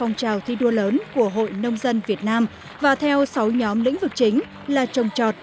hội đồng bình chọn trung khảo thi đua lớn của hội nông dân việt nam và theo sáu nhóm lĩnh vực chính là trồng trọt